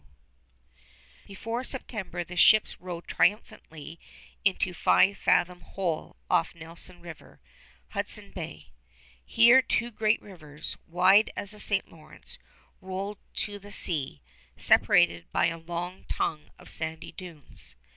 [Illustration: MAP OF HUDSON BAY] Before September the ships rode triumphantly into Five Fathom Hole off Nelson River, Hudson Bay. Here two great rivers, wide as the St. Lawrence, rolled to the sea, separated by a long tongue of sandy dunes.